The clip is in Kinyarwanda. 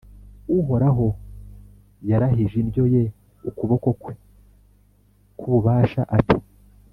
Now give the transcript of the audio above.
uhoraho yarahije indyo ye, ukuboko kwe k’ububasha, ati